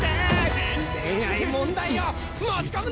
恋愛問題を持ち込むな！